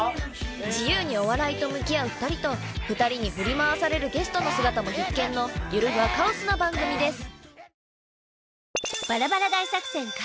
自由にお笑いと向き合う２人と２人に振り回されるゲストの姿も必見のゆるふわカオスな番組です